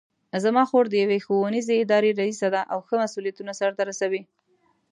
زما خور د یوې ښوونیزې ادارې ریسه ده او ښه مسؤلیتونه سرته رسوي